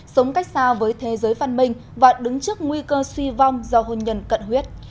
sống cách xa với thế giới phân minh và đứng trước nguy cơ suy vong do hôn nhân cận huyết